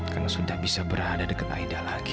karena sudah bisa berada dekat aida lagi